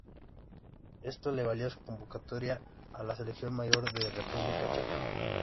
Esto le valió su convocatoria a la selección mayor de República Checa.